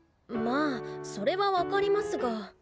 まあそれは分かりますが。